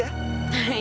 ya sudah di sini